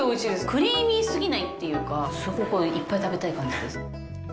クリーミーすぎないというか、すごくいっぱい食べたい感じです。